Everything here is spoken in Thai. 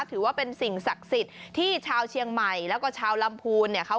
ถือว่าเป็นสิ่งศักดิ์สิทธิ์ที่ชาวเชียงใหม่แล้วก็ชาวลำพูนเนี่ย